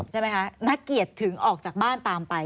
ใช่ไหมคะนักเกียจถึงออกจากบ้านตามไป